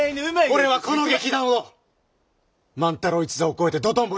俺はこの劇団を万太郎一座を超えて道頓堀